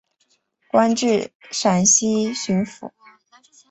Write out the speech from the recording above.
官至陕西巡抚。